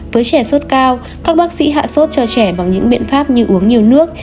với trẻ sốt cao các bác sĩ hạ sốt cho trẻ bằng những biện pháp như uống nhiều nước